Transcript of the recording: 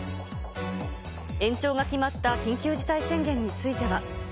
延長が決まった緊急事態宣言については。